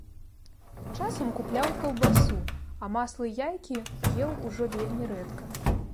Часам купляў каўбасу, а масла і яйкі еў ужо вельмі рэдка.